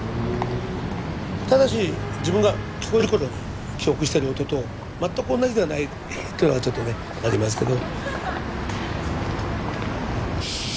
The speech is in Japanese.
ただし自分が聞こえる頃に記憶してる音と全く同じではないというのはねちょっとねありますけど。